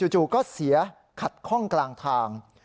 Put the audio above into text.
จู่ก็เสียขัดข้องกลางทาง